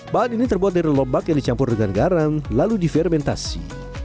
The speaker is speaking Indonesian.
bahan ini terbuat dari lobak yang dicampur dengan garam lalu difermentasi